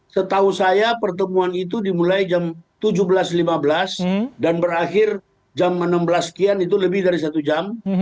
setahu saya pertemuan itu dimulai jam tujuh belas lima belas dan berakhir jam enam belas sekian itu lebih dari satu jam